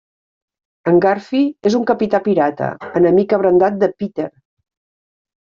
En Garfi és un capità pirata, enemic abrandat de Peter.